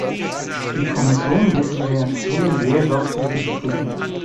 Die Kommission wird die Reaktionen sehr sorgfältig prüfen.